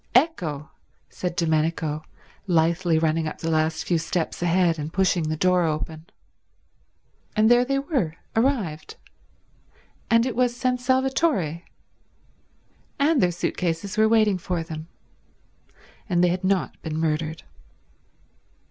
"Ecco," said Domenico, lithely running up the last few steps ahead and pushing the door open. And there they were, arrived; and it was San Salvatore; and their suit cases were waiting for them; and they had not been murdered.